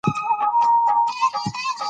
لمریز ځواک د افغان کلتور سره تړاو لري.